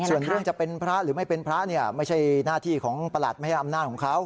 ส่วนเรื่องจะเป็นพระหรือไม่เป็นพระเนี่ยไม่ใช่หน้าที่ของประหลัดไม่ให้อำนาจของเขา